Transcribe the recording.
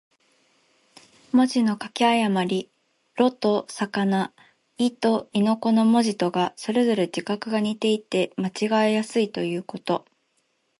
文字の書き誤り。「魯」と「魚」、「亥」と「豕」の字とが、それぞれ字画が似ていて間違えやすいということ。